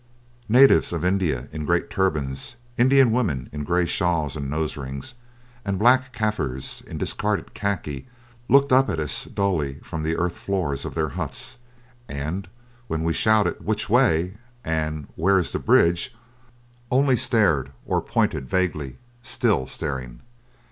Natives of India in great turbans, Indian women in gay shawls and nose rings, and black Kaffirs in discarded khaki looked up at us dully from the earth floors of their huts, and when we shouted "Which way?" and "Where is the bridge?" only stared, or pointed vaguely, still staring.